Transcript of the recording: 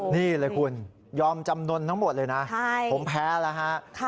นี่เลยคุณยอมจำนวนทั้งหมดเลยนะนะค่ะ